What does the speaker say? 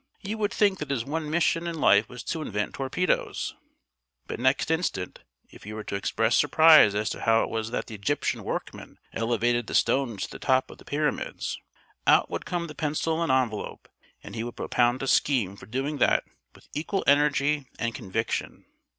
You would think that his one mission in life was to invent torpedoes. But next instant, if you were to express surprise as to how it was that the Egyptian workmen elevated the stones to the top of the pyramids, out would come the pencil and envelope, and he would propound a scheme for doing that with equal energy and conviction.